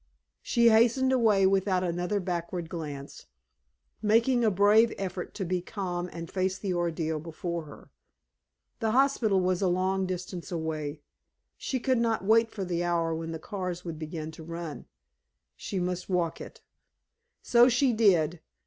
She hastened away without another backward glance, making a brave effort to be calm and face the ordeal before her. The hospital was a long distance away. She could not wait for the hour when the cars would begin to run. She must walk it. So she did.